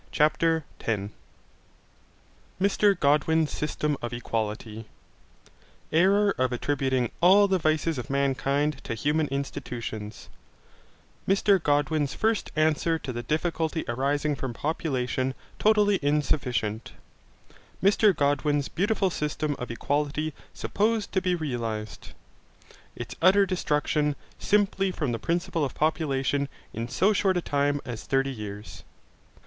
CHAPTER 10 Mr Godwin's system of equality Error of attributing all the vices of mankind to human institutions Mr Godwin's first answer to the difficulty arising from population totally insufficient Mr Godwin's beautiful system of equality supposed to be realized Its utter destruction simply from the principle of population in so short a time as thirty years.